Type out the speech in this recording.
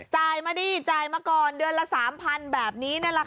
จ่ายมาดิจ่ายมาก่อนเดือนละ๓๐๐๐แบบนี้นั่นแหละค่ะ